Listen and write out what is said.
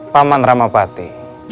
pak man ramapati